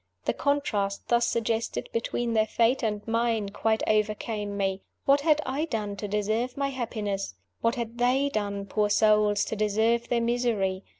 The contrast thus suggested between their fate and mine quite overcame me. What had I done to deserve my happiness? What had they done, poor souls, to deserve their misery?